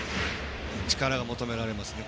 力が求められますね。